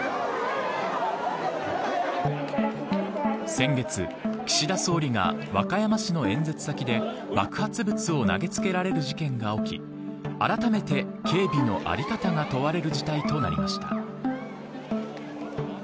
先月、岸田総理が和歌山市の演説先で爆発物を投げつけられる事件が起きあらためて、警備の在り方が問われる事態となりました。